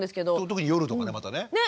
特に夜とかねまたね。ね！